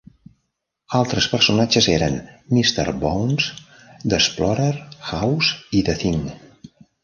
Altres personatges eren Mister Bones, the Explorer, House i the Thing.